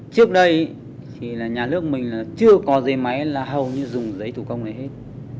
trước đây thì là nhà nước mình là chưa có giấy máy là hầu như dùng giấy thủ công này hết